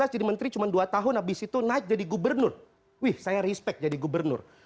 dua ribu empat belas jadi menteri cuma dua tahun habis itu naik jadi gubernur wih saya respect jadi gubernur